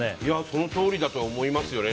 そのとおりだと思いますよね。